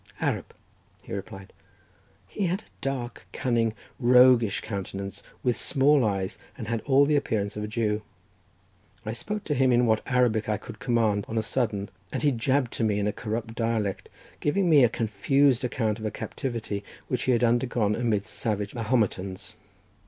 "Arap," he replied. He had a dark, cunning, roguish countenance, with small eyes, and had all the appearance of a Jew. I spoke to him in what Arabic I could command on a sudden, and he jabbered to me in a corrupt dialect, giving me a confused account of a captivity which he had undergone amidst savage Mahometans.